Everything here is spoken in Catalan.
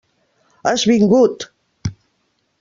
Has vingut!